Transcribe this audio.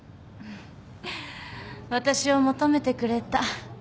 私を求めてくれた。